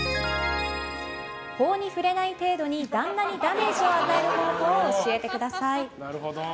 法に触れない程度に旦那にダメージを与える方法を教えてください。